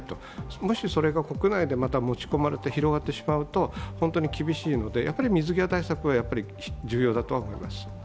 もしそれが国内に持ち込まれて広がってしまうと厳しいので、水際対策はやはり重要だと思います。